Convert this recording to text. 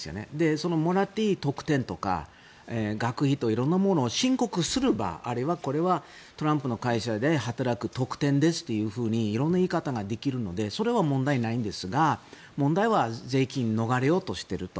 そのもらっていい特典とか学費とか色んなものを申告すればあるいはこれはトランプの会社で働く特典ですというふうに色んな言い方ができるのでそれは問題ないんですが、問題は税金を逃れようとしていると。